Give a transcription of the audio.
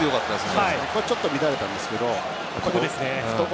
最初ちょっと乱れたんですけど。